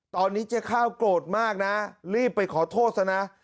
ตอนนี้เจ๊ข้าวโกรธมากนะรีบไปขอโทษซะนะ